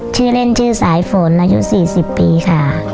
ชื่อเล่นชื่อสายฝนอายุ๔๐ปีค่ะ